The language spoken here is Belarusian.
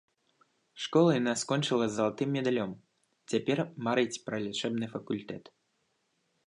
Школу яна скончыла з залатым медалём, цяпер марыць пра лячэбны факультэт.